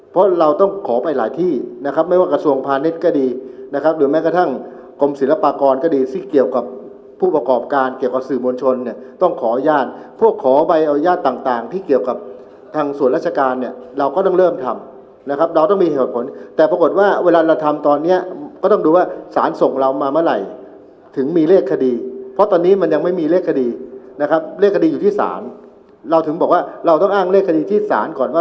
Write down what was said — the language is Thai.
เพราะเราต้องขอไปหลายที่นะครับไม่ว่ากระทรวงพาณิชย์ก็ดีนะครับหรือแม้กระทั่งกรมศิลปากรก็ดีที่เกี่ยวกับผู้ประกอบการเกี่ยวกับสื่อมวลชนเนี้ยต้องขออนุญาตพวกขอไปเอาอนุญาตต่างต่างที่เกี่ยวกับทางส่วนราชการเนี้ยเราก็ต้องเริ่มทำนะครับเราต้องมีเหตุผลแต่ปรากฏว่าเวลาเราทำตอนเนี้ยก็ต้องดู